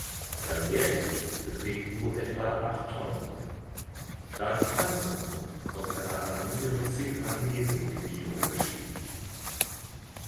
Sein Leergewicht beträgt nur etwa acht Tonnen, da die Panzerung aus einer Aluminium-Zink-Magnesium-Legierung besteht.